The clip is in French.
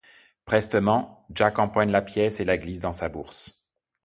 Prestement, Jack empoigne la pièce et la glisse dans sa bourse.